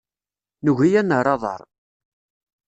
Nugi ad nerr aḍar.